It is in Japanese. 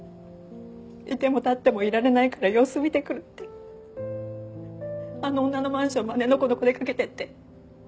「いてもたってもいられないから様子見てくる」ってあの女のマンションまでのこのこ出かけていって。